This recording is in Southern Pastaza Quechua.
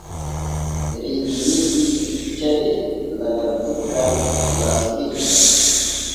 Ridinipi chay lakartuka lasurirka.